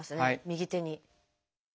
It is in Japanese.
右手に。